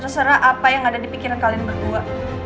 terserah apa yang ada di pikiran kalian berdua